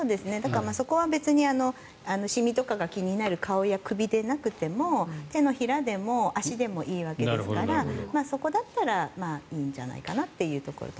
そこは別にシミとかが気になる顔や首とかでなくても手のひらでも足でもいいわけですからそこだったらいいんじゃないかなというところと。